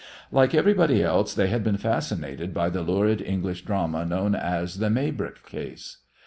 Like everybody else they had been fascinated by the lurid English drama known as "The Maybrick Case."